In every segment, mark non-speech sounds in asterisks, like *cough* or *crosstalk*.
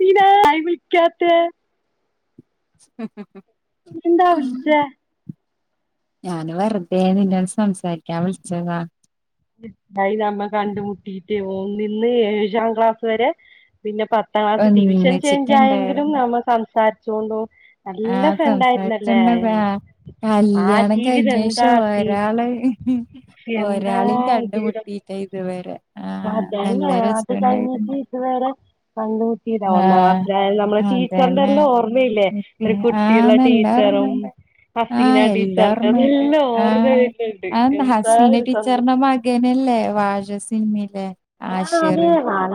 നീനാ വിളിക്കാത്തെ *unintelligible* എന്താ ഉം വിളിച്ചേ ഞാന് വെറുതെ നിന്നോട് സംസാരിക്കാൻ വിളിച്ചതാ, അയ് നമ്മ കണ്ടുമുട്ടിട്ട് ഒന്നിന്ന് ഏഴാം ക്ലാസ് വരെ പിന്നെ പത്ത്. പത്താം ക്ലാസ് ഡിവിഷൻ ചേഞ്ച് ആയെങ്കിലും ഒന്നിച്ചിട്ടുണ്ടായിരുന്നു നമ്മ സംസാരിചോണ്ടു ആഹ സംസാരിച്ചണ്ട് വേ ആ കല്യാണം ജീവിതം കഴിഞ്ഞ എന്താ ഏഷം ആർത്തി ഒരാള് ഒരാ എന്താ രാളിം കണ്ട് മുട്ടിയിട്ടെ ഇതുവരെ. ആഹ് നല്ല അതന്നെഅത് കഴിഞ്ഞിട്ട് രസണ്ടായിരുന്നു ഇതുവരെകണ്ട. ഇത ഒന്നാം ആഹ് ക്ലാസ്സിലത് നമ്മുടെ അതന്നെ ടീച്ചറിന്റെല്ലാം ഓർമ്മയില്ലേ ഒരു ആഹ് കുട്ടിയുള്ള നല്ല ടീച്ചറും. ഓർമ്മണ്ട് ആഹ് ഹസീന എല്ലാം ഓർമ്മയുണ്ട് ടീച്ചാറിന്റെതെല്ലാം ഓർമ്മ ആഹ് വരുന്നുണ്ട് എന്താ ഒരു സന്തോഷം. ഗനല്ലേ വാഴ സിനിമെലെ ആഹ അതെ വാഴ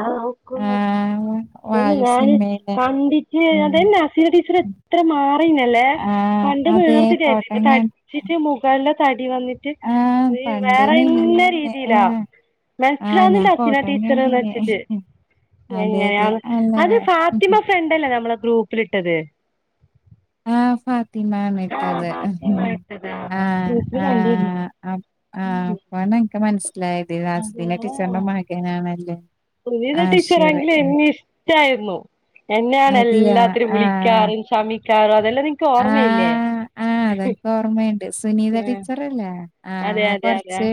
ആഹ് വാഴ പിന്നെ ഞാന് സിനിമയിലെ കണ്ടിട്ട് ഉം അതന്നെ സീന ടീച്ചർ ഉം എത്ര മാറിന്നല്ലേ ആഹ് പണ്ട് അതെ വേർത്തിട്ടായിരുന്നു ഫോട്ടം ഇപ്പൊ ക തടി. ചിട്ട് മുഖ എല്ലാം തടി വന്നി ആഹ് പണ്ട് വേറെന്ന മെലിഞ്ഞ രീതിയിലാ ആഹ് ആഹ് ഞാൻ മനസിലാവന്നില്ല. ഫോട്ടം ടീച്ചർന്ന് കണ്ടീന് വെച്ചിട്ട് അതെ അതെ *unintelligible* അല്ല അത് ഫാത്തിമ ഫ്രെണ്ടല്ലെ നമ്മളെ ഗ്രൂപ്പിലിട്ടത്. ആഹ് ഫാത്തിമാണ് ആഹ് ഇട്ടത് ആഹ ഫാത്തിമ ഇട്ടതാ ഗ്രൂപ്പില് ആ. കണ്ടിരുന്നു ആഹ് അപ്പ ആണ് ഇൻക്ക് മനസ്സിലായത് ഹസ്ബീന ടീച്ചറിന്റെ അതെ മകനാണല്ലെ സുനിത ടീച്ചർ ആങ്കിലും എന്നെ ഇഷ്ടായിരുന്നു എന്നെയാണ് അതെയാ എല്ലാത്തിനും ആഹ് വിളിക്കാറും ശമിക്കാറും അതെല്ലാം നിനക്ക് ഓർമ്മയില്ലേ. അതെനക്ക് ഓർമ്മയുണ്ട് സുനീത ആഹ് ടീച്ചർ അല്ലെ. അതെ ആഹ് അതെ അതെ കൊറച്ച് ആഹ്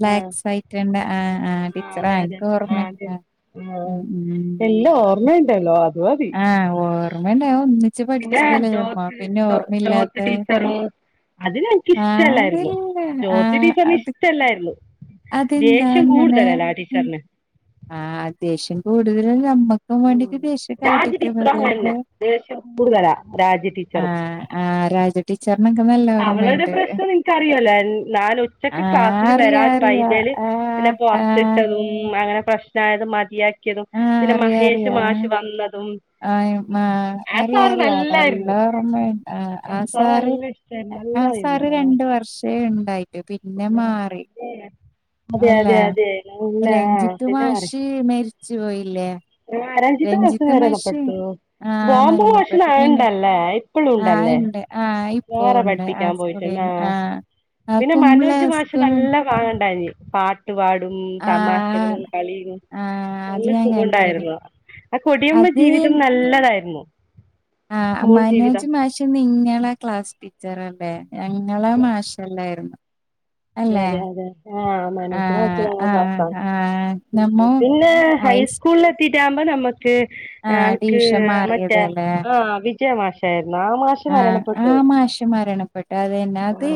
ബ്ലാക്ക് ആഹ് സൈറ്റ്ണ്ട് ആ ആഹ് ടീച്ചറാ എനിക്ക് ഓർമ്മഇണ്ടയി ആ എല്ലും ഓർമ്മണ്ടല്ലോ അതുമതി. ആഹ ഓർമ്മല്ല ഒന്നിച്ച് പിന്നെ പഠിച്ചതലേ അപ്പോ ജ്യോതി പിന്നെ ജ്യോതി ഓർമ്മയില്ലാതെ ടീച്ചറും അത് ഞങ്ങക്ക് ആ ഇഷ്ടല്ലായിരുന്നു അതല്ലേ ജ്യോതി ആഹ ടീച്ചറിന് അത് ഇഷ്ടല്ലായിരുന്നു അതെന്താ ദേഷ്യം അങ്ങനെ കൂടുതലല്ലേ ആ ടീച്ചറിന് ആ ദേഷ്യം കൂടുതലുംനമ്മീ വേണ്ടിക്ക് രാജ കാട്ടിക്കുന്നത് ടീച്ചറും എന്ത അങ്ങനെന്നെ ദേഷ്യം കൂടുതലാ രാജ ടീച്ചറും ആഹ ആഹ് രാജ ടീച്ചറിനൊക്കെ നല്ല അവളടെ ഓർമ്മയുണ്ട്. പ്രശ്നം നിനക്ക്റിയല്ല ഞാൻ ഒച്ചക്ക് ആഹ് ക്ലാസ്സിൽ അറിയാ വരാൻ അറിയാ വൈദ്യര്പിന്നെ ആഹ് ആഹ് പുറത്തിട്ടതും അങ്ങനെ പ്രശ്ന യത് മതിയാക്കിയതും ആഹ് പിന്നെ മഹേഷ് മാഷ് വന്നതും ആ ആ ആ സാറ് അറിയറിയാ നല്ലായിരുന്നു എല്ലാറമ്മ ആ സാറ് നല്ല ഇഷ്ടായിരുന്നു ആ നല്ലതായിരുന്നു സാറ് രണ്ട വർഷേ ഉണ്ടായിട്ടു പിന്നെ മാറി അതെ അല്ലേ അതെ അതെ നല്ല ആ രഞ്ജിത്ത് പിന്നെ പറ മാഷ് മരിച്ചു പോയില്ലേ. രഞ്ജിത്ത് മാഷ് മരണപ്പെട്ടു ആഹ് ബോംബു മരണപ്പെട്ടു ഭോഷണം പിന്നെ ഉണ്ടല്ലേ ഇപ്പഴും ഉണ്ടല്ലേ വേറെ പഠിപ്പിക്കാൻ പോയിട്ടുണ്ട് സ്കൂളന്ന് ആ ആ് ആ കുമ്പള സ്ക മഴ ഉണ്ടായിരുന്നു പാട്ടുപാടും ആഹ് തമാശകളും കളിയും ആഹ് അത് നല്ല ഞാൻ കണ്ടീന് ആ കൊടിയ്മജീവിതം നല്ലതായിരുന്നു. ആ സ്കൂൾ ജീവിതം മനോജ് മാഷിന്ന് നിങ്ങളെ ക്ലാസ് ടീച്ചർല്ലേ ഞങ്ങളെ മാഷി ല്ലായിരുന്നു അത അതെ അതെ ആഹ മനസ് ആഹ് ആഹ് മസ ആഹ് നമ്മോ പിന്നെ ഐസ് ഹൈസ്കൂളിൽ എത്തിട്ടാകുമ്പോ നമുക്ക് ആഹ് അനിക്ക് ഡിവിഷൻ മാറിയത് മറ്റേ അല്ലേ ആ മാഷായിരുന്നു ആഹ് ആഹ മരണപ്പെട്ടു മാഷിമരണപ്പെട്ടു ആ അതന്നത്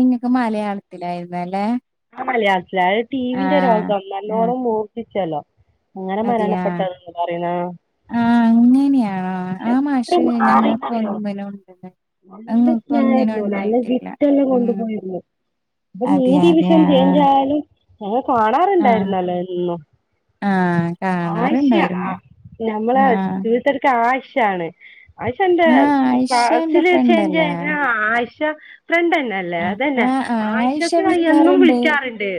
നിങ്ങക്ക് മലയാളത്തിലായിരുന്നല്ലേ ആ മലയാസ അത് ടി വിന്റെ രോഗം ആഹ് നല്ലോണം മൂർത്തിച്ചല്ലോ അങ്ങനെ മരണപ്പെട്ടതന്ന് പറയുന്ന ആഹ അങ്ങനെതന്നെയാ പക്ഷെ എത്ര മാറിന്നറിയോ ഒന്നിനും ഉണ്ടെന്ന് നല്ല ഞങ്ങൾക്ക് ഒന്നിനും സ്നമായിരുന്നു നല്ല ഉണ്ടായിട്ടില്ല ഗിഫ്റ്റ് എല്ലാം കൊണ്ടു ഉം പോയിരുന്നു. അപ്പം നീ അതെ ടി അതെ വിഷം ആഹ് ചേഞ്ച്യാലും ഞങ്ങ ആഹ് കാണാറുണ്ടായിരുന്നല്ലോന്നോ. ആഹ് ആശ കാണാറുണ്ടായിരുന്നു നഞമ്മളെ ആഹ് തീ ആഷാണ് ആഷ എന്റെ ആഹ് ആയിഷ എന്റെ പസിില് ചേഞ്ച് ഫ്രണ്ടല്ലേ ആ ഫ്രണ്ട് തന്ന ആ ആ ആയിഷ വിളിക്കാറുണ്ട് വിളിക്കാറുണ്ട്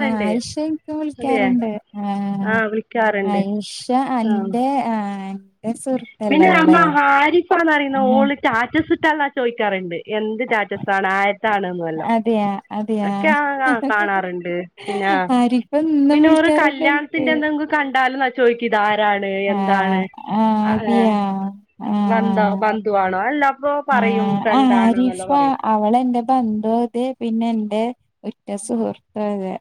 ആ ആയിഷ എിക്കും അതെ വിളിക്കാറുണ്ട്. ആഹ് വിളിക്കാറുണ്ട് ആയിഷ ആഹ് അന്റെ ആ പിന്നെ അമ്മ ഹരിഫാന്ന് പറിയുന്ന ആഹ് ഓക്ക് സ്റ്റാറ്റസ് ഇട്ടാല്ല ചോദിക്കാറുണ്ട് എന്ത് സ്റ്റാറ്റസ ആണ് ആയരത്താണന്നുവല്ലോ അതെയ അതക്കെ കാണാറുണ്ട് പിന്നെ ആരിഫ ഇന്നും പിന്നെ ഒരു വിളിക്കാറുണ്ട് കല്യാണ എനിക്ക് ന്റെ എന്തെങ്കും കണ്ടാലും എന്നാ ചോയ്ക്ക ഇത് ആരാണ് എന്താണ് ആഹ് ആഹ് ആ അതെയാ ബന്ധ ആഹ് ബന്ധുവാണോ അല്ല അപ്പ പറയും ഫ്രണ്ട് ആണോ എന്നെല്ലാം പറയും. അവളെൻറെ ബന്ധോ ഇതെ പിന്നെ എൻറെ ഉറ്റ സുഹൃത്തോ ഇതെ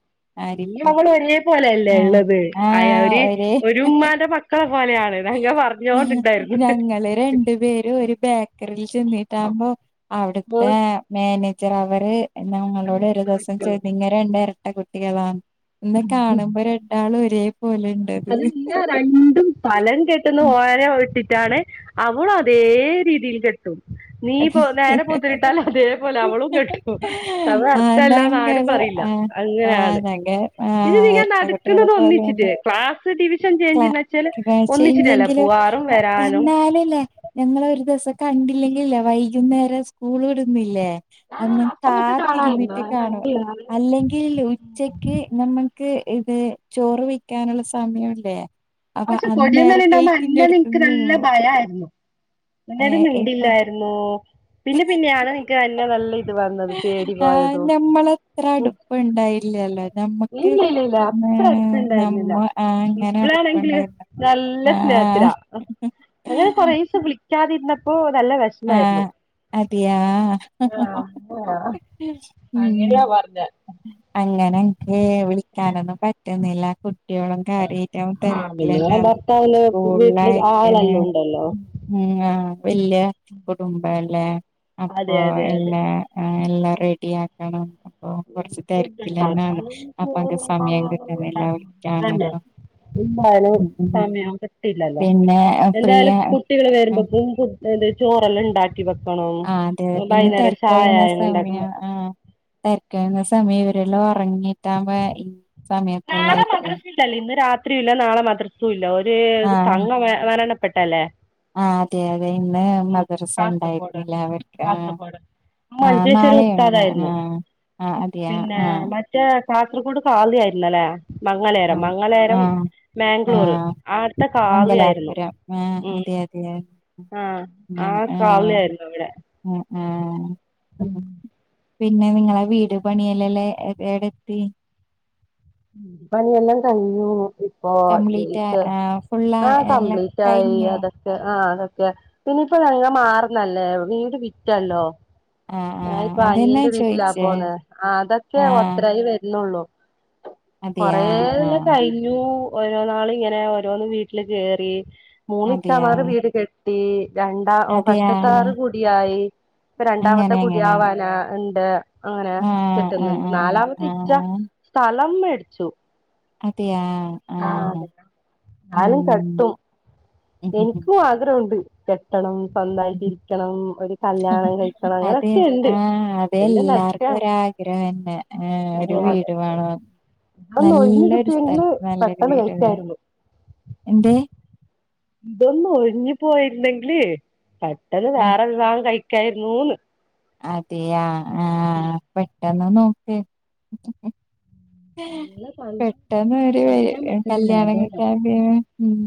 ഇ അവൾ ഒരേ പോലെല്ലേ ഉള്ളത് അ ആഹ് ഒരു ഒര് ഒരു ഉമമായുടെ മക്കളെ പോലെയാണ്ത് ഞങ്ങള് രണ്ടു പേര ഒരു ബേക്കറിൽ ചെന്നിട്ടാുമ്പോ അവിടുത്തെ മാനേജർ അവര് എന്ന നിങ്ങളോട് ഒരു ദിവസം ചോദിച്ചോ ചോതിങ്ങര ഉണ്ട് ഇരട്ട കുട്ടികളാണ് എന്നന്ന് കാണുമ്പോ രണ്ടാളും ഒരേ പോലെണ്ട് അതി രണ്ടും ഫലം കെട്ടുന്ന ഓരഇട്ടിട്ടാണ് അവള അതേ രീതിയിൽ കെട്ട ട്ടും നീ പോ നേരെ പോത്തിരിട്ടാൽ അതേപോലെ അവളും കെട്ടു അവടെ ആഹ് അർത്ഥമല്ലാന്ന് ആരും ഞങ്ങള് പറയില്ല. ആഹ് ആഹ് അങ്ങനെയാണ് ഞങ്ങ പിന്നെ ആഹ് നിങ്ങ എരട്ട നടക്കണത കുട്ടികളെ ഒന്നിച്ചിട്ട് പോലെയാണ് ക്ലാസ് ഡിവിഷൻ ക്ലാ ചേഞ്ച്ന്ന് വെച്ചാല് ഒന്നിച്ചിട്ടല്ല പോവാറും വരാനും. ആല്ലില്ലെ ഞങ്ങ ഒരു ദിവസം കണ്ടില്ലെങ്കിൽല്ലേ വൈകുന്നേരം സ്കൂൾ വിടുമ്പോല്ലേ ആ അന്ന് ആ സമയത്ത് കാണാമായിരുന്നു കാത്തിരുന്നിട്ട് ഞാൻ കാണും കണ്ടില്ല അല്ലെങ്കിൽ ഉച്ചക്ക് നമ്മുക്ക് ഇത് ചോറ് വയ്ക്കാനുള്ള സമയംല്ലേ പക്ഷെ കൊടിയന്നല്ല ഉണ്ടാവക്പോ അന്ന അടുത്ത് നിനക്ക് നല്ല നിന്നു ഭയയിരുന്നു. ഏ എന്നട ഇപ്പൊ മിണ്ടില്ലായിരുന്നോ പിന്നെ പിന്നെയാണ് നിക്ക് എന്നന്നെ നല്ല ഇത് വന്നത് പേടി പോയതും. ഇത്ര അടുപ്പം ഉണ്ടായില്ലല്ലോ നമ്മക്ക് ഇല്ല ഇല്ല ഇല്ല അത്ര നമ്മ അടുപ്പുണ്ടായിരുന്നില്ല അങ്ങനെ ഇപ്പളാണെങ്കില് അടുപ്പുണ്ടായിന്ന. നല്ല സ്നേഹത്തിലാ അങ്ങനെ കൊറേസം വിളിക്കാതിരുന്നപ്പോ നല്ല വെ ഷമായിരുന്നു അതയാ ആഹ് ഉം അങ്ങനെയാ പറഞ്ഞെ അങ്ങനെക്ക വിളിക്കാനൊന്നും പറ്റുന്നില്ല കു കുട്ടിയോളം കാര്യാട്ട് ആഹ് പിന്നെ തിരക്കില്ലന്ന. ഭർത്താവിന് വീട്ടില് സ്കൂളിലായക്കനെ ആളെല്ലാം ഉണ്ടല്ലോ മം ആഹ് വല്യ കുടുംബല്ല അപ്പൊ അതെ അതെ അതെ എല്ലാ എല്ലാം റെഡിയ ആ ക്കണം അപ്പൊ കൊറച്ച ഫുഡ് തിരിക്കില്ല തന്നാണ് ഉണ്ടാക്കാനും അപ്പൊ ചോറും സമയം കറിയും അതെല്ലാം കിട്ടുന്നില്ല ഉണ്ടാക്കണം വിളിക്കാന തന്നെ എന്തായാലും സമയം പിന്നെ പ്രീ കുട്ടികൾ വരുമ്പോ *unintelligible* ചോറെല്ലാം ഉണ്ടാ ക്കി വക്കണം. ആഹ് അതെ പിന്നെ തിരക്ക ഒഴിയുന്ന ഉണ്ടാക്കണം സമയം ആഹ് തെ രക്ക് സമയം ഇവരെല്ലാം ഉറങ്ങിട്ടാകുമ്പോ ഈ സമയത്ത്ല്ലായിരിക്ക. ല്ല ഇന്ന് രാത്രിയും ഇല്ല നാളെ മദ്രസവും ഇല്ല ഒരു തങ്ങ മരണപ്പെട്ടല്ലേ. ആ അതെ അതെ ഇന്ന് മദ്രസ കാസർഗോഡ് ഉണ്ടായിരുന്നില്ല അവർക്ക് ആഹ് കാസർഗോഡ് ആഹ് മഞ്ചേശ്വരം നാളെയല്ല ഉസ്താദായിരുന്നു ആഹ് ആഹ് അതെയാ പിന്നെ ആഹ് മറ്റേ കാസർഗോട് ഖാള്ളി ആയിരുന്നല്ലേ മങ്ങലേരം ആഹ് മങ്ങലേരം. ആഹ് മാംഗ്ലൂർ ആഹ് അവിടത്തഖാളളി ആയിരുന്നു മം പിന്നെ ആഹ് ആ ഖാളളി ആയിരുന്നു ഇവിടെ. ആഹ് ആഹ് പിന്നെ നിങ്ങളെ വീട് പണിയല്ലല്ലേ എടെ എത്തി പണിയെല്ലാം കഴിഞ്ഞു ഇപ്പോ കംപ്ലീറ്റ് *unintelligible* ആഹ് ഫുള്ള് ആഹ എല്ലാം കംപ്ലീറ്റ് ആയി കഴിഞ്ഞോ അത് ആഹ് അതൊക്കെ പിന്നയിപ്പോ ഞങ്ങ മാറന്നല്ലേ വീട് വിറ്റല്ലോ ആഹ് ഞാന ആഹ് ഇപ്പോ അതന്നെ അനിയന്റെ വീട്ടിലാ ചോയിച്ചേ പോന്ന അതൊക്കെ ആഹ് ഒത്രായി വരുന്നുള്ളൂ അതെയാ ആഹ് കൊറേലക്കയി യൂ ഓരോ നാള ഇങ്ങനെ ഓരോന്ന് വീട്ടിൽ കേറി മൂന്ന് അതെയാ ഇച്ചാമാർ വീട് കേ ട്ടി രണ്ടാ അതെയാ ഫസ്റ്റ്ത്താറ് കുടിയായി ഇപ്പ രണ്ടാമത്തെ അങ്ങനെ അങ്ങനെ കുടിയവാന ഉണ്ട് അങ്ങനെ ആഹ് ആഹ് കിട്ടുന്നുണ്ട് ആഹ് നാലാമത്തെ ഇച്ച ആഹ് സ്ഥലം മേടിച്ചു അതെയാ ആഹ് അത് ഉം കെട്ടും എനിക്കും ആഗ്രഹംഉണ്ട് കെട്ടണം സ്വന്തയിട്ട് ഇരിക്കണം ഒരു കല്യാണം കഴിക്കണം അങ്ങനൊക്കെുണ്ട്. ഇപ്പോ എല്ലാർക്കും ഒരാഗ്രഹം തന്നെ ഒരു വീട്വേണംന്ന്. അതൊന്ന് ഒഴിഞ്ഞ് നല്ലൊരു കിട്ടിയെങ്കില് സ്ഥലത്ത് നല്ലൊരു പെട്ടെന്ന് വീട് വേണം കഴിക്കായിരുന്നു എന്തേ ഇതൊന്ന് ഒഴിഞ്ഞു പോയിരുന്നെങ്കിൽ പെട്ടെന്ന് ആഹ് വേറെ വിവാഹം കഴിക്കായിരുന്നുന്ന് അതെയ ആഹ്പെട്ടെന്ന് നോക്ക് ഇല്ലെഹ് പെട്ടെന്ന് ഒരു അതോണ്ടാ കല്യാണങ്ങൾക്ക ഉം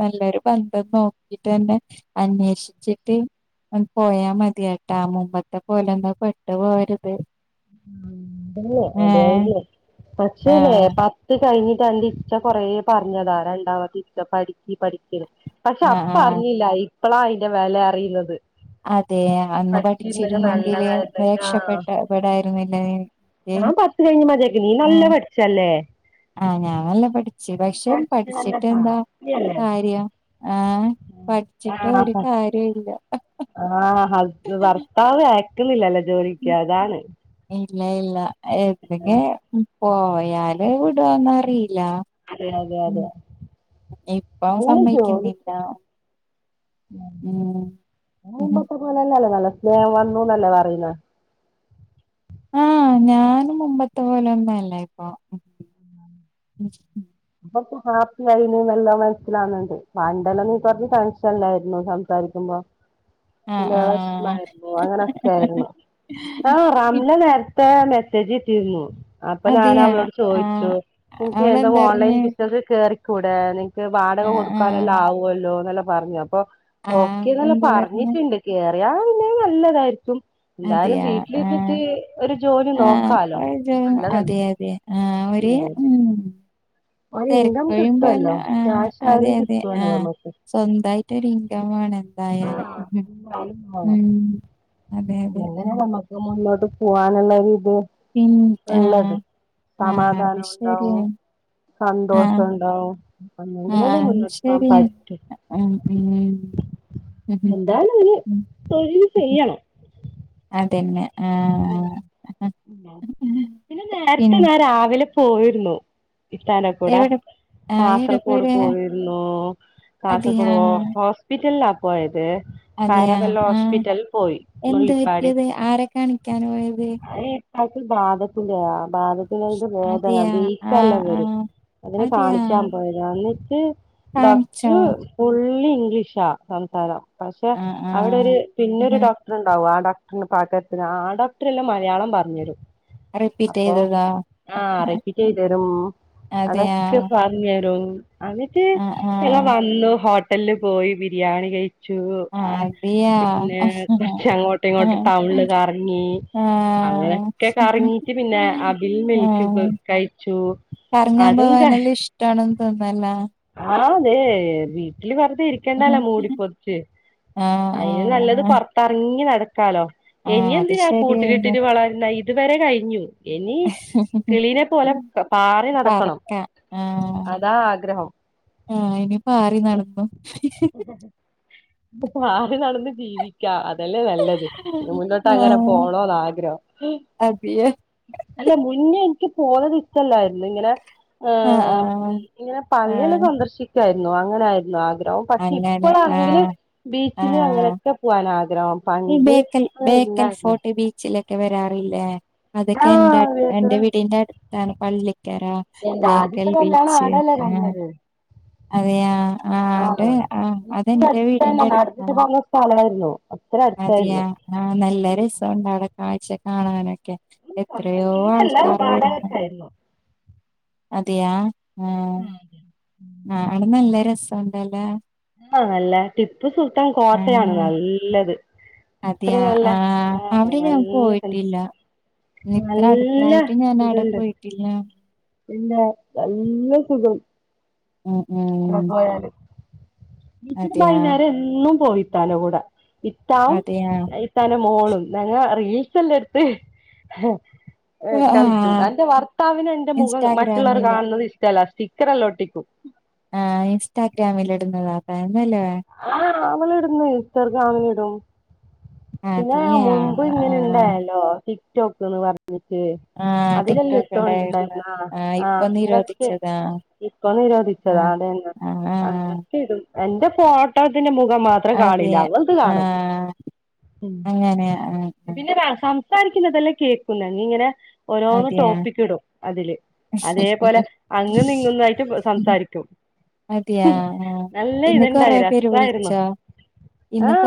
നല്ലൊരു *unintelligible* നോക്കീട്ടെന്നെ അന്വേഷിച്ചിട്ട് പോയാ മതിയേട്ടാ മുമ്പത്തെ പോലെ എന്താ പെട്ട് പോകരുത് അതെ ഒതേയല്ലേ പക്ഷേല്ലെ ആഹ് പത്ത് കഴിഞ്ഞിട്ട് അന്റെ ഇത്ത കൊറേ പറഞ്ഞതാ രണ്ടാമത്തെ ഇത്ത പഠിക്കി പഠിക്കി പക്ഷെ ആഹ് അപ്പ ആഹ് അറിഞ്ഞില്ല ഇപ്പളാ അയ്ന്റെ വെല അറിയുന്നത്. അതെ അന്ന് പഠിച്ചിരുന്നെങ്കി പഠിച്ചിരുന്നെങ്കില് നല്ലതായിരുന്നെങ്കി രക്ഷപ്പെെട്ട പെടായിരുന്നില്ലെ ഞാൻപത്ത് കഴിഞ്ഞ് മതിയാക്ക് നീ നല്ല പഠിച്ചല്ലേ ആ ഞാൻ നല്ല പഠിച്ച്പക്ഷെ പഠിച്ച് നല്ല പഠിച്ചിട്ട് എന്താ. ഹാപ്പിയല്ലേ കാര്യം ആ പഠിച്ചിട്ട് ഒരു കാര്യ ഇല്ല ആ ഭർത്താവ് അയക്കുന്നില്ലലെ ജോലിക്ക് അതാണ്. ഇല്ല ഇല്ല എ പിന്നെ പോയാല് വി ടോന്നറീല അതെ അതെ ഉം അതെ ഇപ്പോ സമ്മയ്ക്കുന്നില്ല ഉം ഉം മുമ്പത്തെ പോലല്ലല്ലേ നല്ല സ്നേഹം വന്നുന്നല്ലേ പറയുന്ന ആ ഞാനു മുമ്പത്തെ പോലെ ഒന്നു അല്ല ഇപ്പൊ അപ്പൊക്കെ ഹാപ്പി ആയിനുന്നെല്ലാ മനസ്സിലാവുന്നത്. പണ്ട് ന നീ പറ്ഞ്ഞ ടെൻഷൻല്ലായിരുന്നു സംസാരിക്കുമ്പോ ആഹ് പിന്നെ ആഹ് വെഷ്മായിരുന്നു അങ്ങനെ ആ റംല നേര്ത്തെ മെസ്സേജ് ഇട്ടിരുന്നു അപ്പൊ ഞാൻ അതെയാ അവളോട് ചോദിച്ചു ആഹ് പൂപ്പി എന്ത ഓൺലൈൻ അവളെന്താർഞ്ഞ് ഇങ്ങക്ക് കേറിക്കൂടെ. നിൻക്ക് വാടക ആഹ് ആഹ് കൊടുക്കാനെല്ലാം ആവു അല്ലോ എന്നെല്ല പറഞ്ഞു അപ്പോ ആഹ് ഓക്കേ എന്നല്ല അപ്പെന്താ പറഞ്ഞ് പറഞ്ഞിട്ടുണ്ട് കേറിയാ പിന്നെ നല്ലതായിരിക്കും എന്തായാലും അതെയാ ആഹ് വീട്ടിലിരുന്നിട്ട് ഒരു ജോലി ആഹ് നോക്കാലോ നല്ലതല്ലേ അതെ അതെ ഹിയ്യോ തെരക്കഴിയുമ്പോ കിട്ടുവല്ലോ എല്ലാം ആ ക്യാഷ് അതെ ആയാലും അതെ ആ കിട്ടുവല്ലോ നമുക്ക് സ്വന്തമായിട്ട് ഒരു ഇൻകം എന്തായാലും എന്തായാലും ഉം അതെ അതെ ഉം നമ്മക്ക് മുന്നോട്ട് പോവാനുള്ളര് ഇത് പിൻ ആഹ് ഉള്ളത് ആഹ് അത് സമാധാനം ഉണ്ടാവും ശരിയാണ് ആഹ് സന്തോഷോണ്ടാവും ആഹ് ശരി അഹ് ഉ എന്തായാലുഒരു തൊഴില് ഉം. ചെയ്യണം അതന്നെ ആഹ് പിന്നെ പിൻ നേരത്തെ ഞാരാവിലെ പോയിരുന്നു ഇത്താന്റകൂടെ എവിടെ ആഹ് എവിടെ പോയത് കാസർഗോഡ്പോയിരുന്നു. അതെയാ കാസർഗോഡ്ഒ ഹോസ് പിറ്റലിലാ പോയത്. അതെയാ കാരവല്ല ആഹ് ഹോസ്പിറ്റൽപോയി എന്ത് നുള്ളിപ്പാടി പറ്റിയത് ആരെ കാണിക്കാന് പോയത് പാത്തിൽ ബാധത്തിന്റേ ആ വാതത്തിതിന് ആയിട്ടു വേദന അതെയാ ആഹ് ബീക്കെല്ലാം വരും ആഹ് അതിനെ അതെയാ കാണിക്കാൻ പോയ അന്നിച്ച് ഡോക് കാണിച്ചോ ട്രർ ഫുള്ളിഗ്ലീഷാ സംസാരം പക്ഷെ ആഹ് അവിടെ ആഹ് ഒരു ഉം പിന്നൊരു ഡോക്ടർണ്ടാവും ആ ഡോക്ടറിന് പാക ആ ഡോക്ടർല്ലാം മലയാളം പറഞ്ഞരും റിപ്പീറ്റ് അപ്പൊ ചെയ്തതാ ആ റെപ്പീറ്റ് എയ്തരും അതെയാ അതൊക്കെപ നെരും അന്നിട്ട് ആഹ് ആഹ് ഞങ്ങവന്നു ഹോട്ടലില് പോയി ബിരിയാണി കഴ് ചു അ അതെയാ പിന്നെ ആഹ് കൊറ്ച്ച് അങ്ങോട്ട് ഇങ്ങോട്ട് ടൗണില് കറങ്ങി ആഹ് അങ്ങനൊക്കെ കറങ്ങീട്ട് പിന്നെ അബിൽ മിൽക്ക് കഴിച്ചു. കറങ്ങാൻ അതും പോവാനല്ലാം ഇഷ്ട്വാണ്ന്ന് തോന്ന അല്ലെ ആഹ് അതെ വീട്ടില് വെറുതെ ഇരി ക്കണ്ടലൊ മൂടി പൊതച്ച് ആഹ് അയിന് നല്ലത് ആഹ് പുറത്തറങ്ങി നടക്കാലോ ആഹ് ഇനി അത് എന്തിനാ ശരിയന്നെ കൂട്ടിലിട്ടിട്ട് വളര്ണ് ഇതുവരെ കഴിഞ്ഞു ഇനി കിളീനെ പോലെ പാറി നടക്കണം പറക്കാം ആഹ് അത ആഗ്രഹം ആഹ് ഇനി പാറി നടന്നു പ്പപാറി നടന്ന് ജീവിക്ക അതല്ലേ നല്ലത് ഇ മുന്നോട്ട് അങ്ങനെ ആഹ് പോണോന്ന് ആഗ്രഹം അതെയാ അല്ല മുന്നേ എനിക്ക് പോന്നത് ഇഷ്ടല്ലായിര്ന്ന് ഇങ്ങനെ അ ആഹ് ഉം ഇങ്ങനെ പള്ളില്ലാം ആഹ് സന്ദർശിക്കാരുന്നു അങ്ങനെ ആരുന്നു ആഗ്രഹം പക്ഷെ അങ്ങനെ ഇപ്പണെങ്കില് ആഹ് ബീച്ചില് ആഹ് അങ്ങനെക്കെ പോകൻ ആഗ്രഹം ഈ പണ്ട് ബേക്കൽ ബേക്കൽ അങ്ങനെല്ലായിരുന്നു ഫോട്ടി ബീച്ചിലൊക്കെ വരാറില്ലേ അതൊക്കെ എൻറെ ആഹ് എന്റെ വീടിന്റെ അട്താണ് പള്ളിക്കര വേക്കൽ ബീച്ച് ആഹ് ഉം അതെയാ അത് ആഹ് ആഹ് ഇക്കു അതെന്റെ വീടിന്റെ അടുത്തന്നെ നടന്നിട്ടപ്പങ്ങ് സ്ഥലയിര്ന്നോ അതയ ആ നല്ല രസൊണ്ട് അവിടെ കാഴ്ച കാണാന് സ്വന്തം കെഎത്രയോ വീടല്ല ആൾകാരവരുന്ന് വാടകക്കായിരുന്നു അതെയാ ആഹ് ആടെ നല്ല രസണ്ടല്ലേ ആഹ് നല്ല ടിപ്പ് സുൽത്താൻ കോത്തയാണ് ആഹ് നല്ലത് ഇത്ര അതെയാ നല്ല ആഹ് അവിടെ നല്ല സ്ഥലം, ഞാപോയിട്ടില്ല ഇത്ര നല്ല അടുത്തായിട്ടും ഞാന് അവിടെ ഇതുണ്ട് പോയിട്ടില്ല പിന്നെ നല്ല സുഖം ഉം ഉം വീച്ചന് അതെയാ ബൈന്നേര എന്നും പോയിത്ത ലെകൂടെ ഇത്താ അതെയാ തന മോളും ഞങ്ങ റീൽസല്ലടുത്ത് ഏഹ് കളിക്കും ആഹ് എന്റെവർത്താവിന് എന്റെ മുഖം മറ്റുള്ളർ ഇൻസ്റ്റാഗ്രാമില് കാണുന്നത് ഇഷ് ഇല്ല സ്റ്റികറേല്ലൊ ഒട്ടിക്കു ആഹ് ഇൻസ്റ്റാഗ്രാമിൽ ഇടുന്നതാത പയമല്ലേ? ആഹ് അവളിടുന്ന ഇൻസ്റ്റാഗ്രാമില് ഇടും പിന്നെ അതെയാ മുൻപ് ഇങ്ങനെ ആഹ് ഇണ്ടായല്ലോ ടിക് ടോക്ക്ന്ന് പറഞ്ഞിട്ട് ആഹ് അതിനെല്ലാം ടിക്ടോക്ക് ഉണ്ടായിരുന്നു ഇട്ടൊണ്ടിണ്ടായിന്ന ആഹ് ഇപ്പൊ അങ്ങനെ കുട്ടെ നിരോധിച്ചതാ ഇപ്പൊ ആഹ് നിരോധിച്ചതന്നെ ആഹ് ആഹ് അങ്ങനക്കെ ഇടും എന്റെ ഫോട്ടോത്തിന്റെ മുഖം മാത്ര ത്ര അതെ കാണില്ല ങ്ങൾത് കാണും ആഹ് ഉം അങ്ങനെ ആഹ് ആഹ് പിന്നെ താ സൺ സംസാരിക്കുന്നതെല്ലാം കേൾക്കുന്ന ഇങ്ങനെ ഓരോന്ന് അതെയാ ടോപ്പിക് ഇടും അതില് അതേപോലെ അങ്ങ് ഇങ്ങൊന്നായിട്ട് സംസാരിക്കും. അതെയ ആഹ് നല്ല ഇന്ന് കൊറെ ഇതുണ്ടായി പേര് രസായിരുന്നു വിളിച്ചാ ആ ഇന്ന് കൊറെ